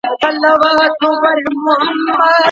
کارګران کومو روغتیایي ستونزو سره مخ دي؟